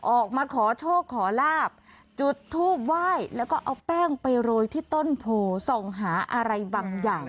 ออกมาขอโชคขอลาบจุดทูบไหว้แล้วก็เอาแป้งไปโรยที่ต้นโพส่องหาอะไรบางอย่าง